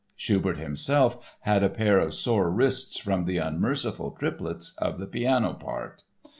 Schubert himself had a pair of sore wrists from the unmerciful triplets of the piano part!